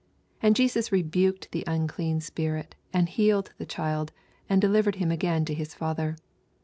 And Jesus rebuked the unclean spirit, and healed the child, and delivered him again to his father.